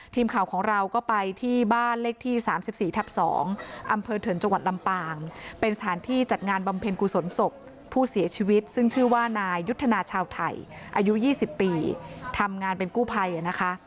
ทีมข่าวของเราก็ไปที่บ้านเลขที่๓๔ทับ๒อำเภอเถินจังหวัดลำปางเป็นสถานที่จัดงานบำเพ็ญกุศลศพผู้เสียชีวิตซึ่งชื่อว่านายยุทธนาชาวไทยอายุ๒๐ปีทำงานเป็นกู้ภัยนะคะ